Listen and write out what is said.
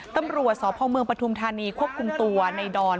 ตำรวจสพเมืองปฐุมธานีควบคุมตัวในดอน